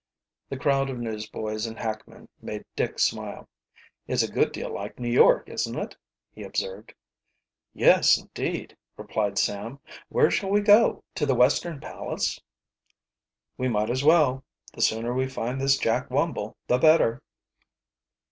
The crowd of newsboys and hackmen made Dick smile. "It's a good deal like New York, isn't it?" he observed. "Yes, indeed," replied Sam. "Where shall we go to the Western Palace?" "We might as well. The sooner we find this Jack Wumble the better."